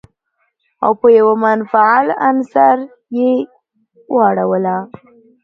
او په يوه منفعل عنصر يې واړوله.